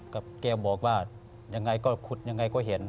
แกบอกว่ายังไงก็ขุดยังไงก็เห็น